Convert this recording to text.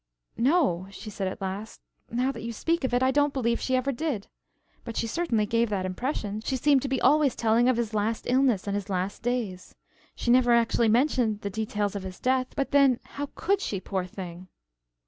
"No," she said at last. "Now that you speak of it, I don't believe she ever did. But she certainly gave that impression. She seemed to be always telling of his last illness and his last days. She never actually mentioned the details of his death but then, how could she poor thing?"